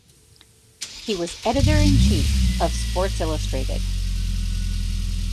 He was editor in chief of "Sports Illustrated".